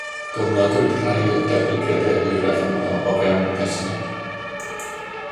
Cofnodwyd rhai o'r datblygiadau hwyrach yma o fewn y casgliad